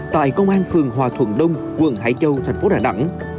tại công an phường hòa thuận đông quận hải châu tp đà nẵng